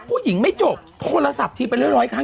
ผู้หญิงไม่จบธนาศัพท์ที่ประโยชน์๑๐๐ครั้ง